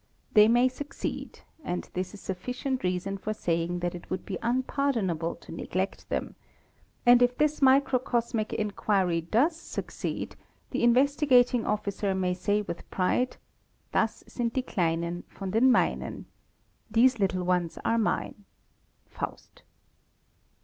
They may succed, and this is suffi cient reason for saying that it would be unpardonable to neglect them ;— and if this microcosmic inquiry does succeed, the Investigating Officer may say with pride "Das sind die Kleinen von den Meinen." 'These little ones are mine' (faust).